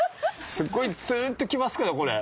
すっごいツンときますけどこれ。